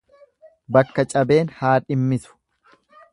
Bakka cabeen haa dhimmisu.